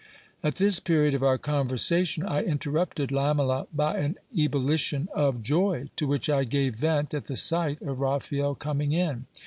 At this period of our conversation I interrupted Lamela by an ebullition of joy to which I gave vent at the sight of Raphael coming in.